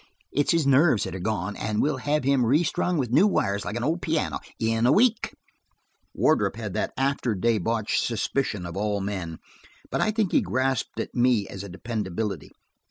"It's his nerves that are gone, and we'll have him restrung with new wires, like an old piano, in a week." Wardrop had that after debauch suspicion of all men, but I think he grasped at me as a dependability.